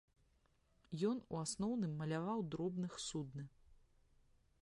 Ён у асноўным маляваў дробных судны.